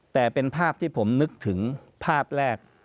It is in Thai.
แต่เป็นภาพที่ผมนึกถึงภาพแรก